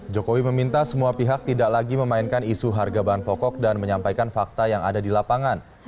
jokowi meminta semua pihak tidak lagi memainkan isu harga bahan pokok dan menyampaikan fakta yang ada di lapangan